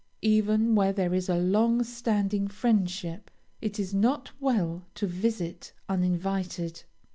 Even where there is a long standing friendship it is not well to visit uninvited.